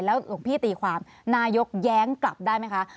หลวงพี่ตีความนายกแย้งกลับได้ไหมคะ